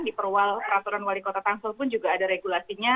di perwal peraturan wali kota tangsel pun juga ada regulasinya